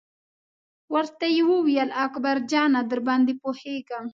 ورته یې وویل: اکبر جانه درباندې پوهېږم.